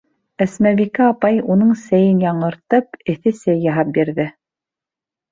Әсмәбикә апай, уның сәйен яңыртып, эҫе сәй яһап бирҙе.